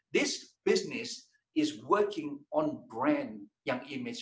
bisnis ini bekerja dengan brand yang imej